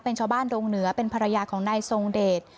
เป็นชาวบ้านดงเหนือเป็นภรรยาของนายทรงเดช